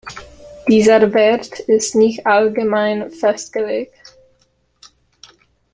Dieser Wert ist nicht allgemein festgelegt.